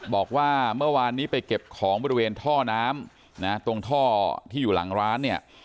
บอกว่าเมื่อวานนี้ไปเก็บของบริเวณท่อน้ำนะตรงท่อที่อยู่หลังร้านเนี่ย